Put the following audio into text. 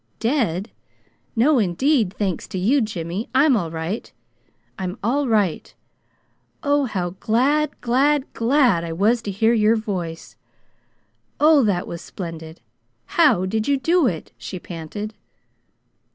"Dead? No, indeed thanks to you, Jimmy. I'm all right. I'm all right. Oh, how glad, glad, glad I was to hear your voice! Oh, that was splendid! How did you do it?" she panted.